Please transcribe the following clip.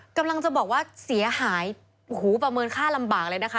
กำลังจะบอกว่าเสียหายโอ้โหประเมินค่าลำบากเลยนะคะ